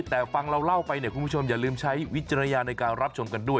แต่ฟังเราเล่าไปเนี่ยคุณผู้ชมอย่าลืมใช้วิจารณญาณในการรับชมกันด้วย